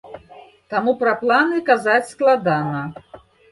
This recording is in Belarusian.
Таму пра планы казаць складана.